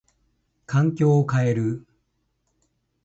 環境を変える。